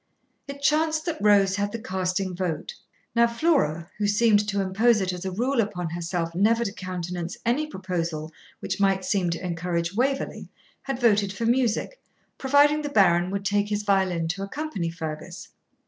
It chanced that Rose had the casting vote. Now Flora, who seemed to impose it as a rule upon herself never to countenance any proposal which might seem to encourage Waverley, had voted for music, providing the Baron would take his violin to accompany Fergus.